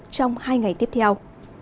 trong hai ngày tiếp theo